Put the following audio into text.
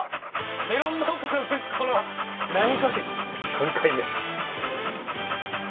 ３回目。